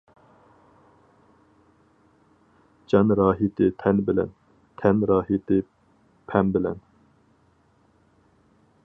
جان راھىتى تەن بىلەن، تەن راھىتى پەم بىلەن.